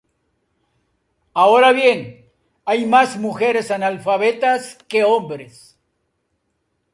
Ahora bien, hay más mujeres analfabetas que hombres.